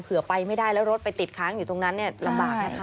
ไปไม่ได้แล้วรถไปติดค้างอยู่ตรงนั้นลำบากนะคะ